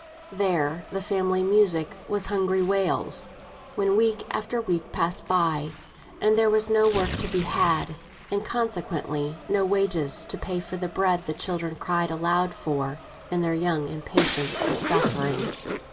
There, the family music was hungry wails, when week after week passed by, and there was no work to be had, and consequently no wages to pay for the bread the children cried aloud for in their young impatience of suffering.